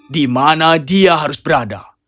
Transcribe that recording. di mana dia harus berada